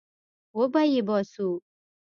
وبې يې باسو.